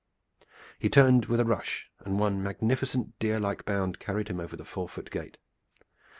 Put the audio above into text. He turned with a rush, and one magnificent deer like bound carried him over the four foot gate.